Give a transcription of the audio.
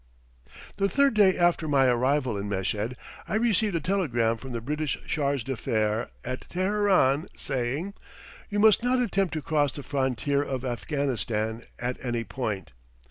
The third day after my arrival in Meshed, I received a telegram from the British Charge d'Affaires at Teheran saying: "You must not attempt to cross the frontier of Afghanistan at any point."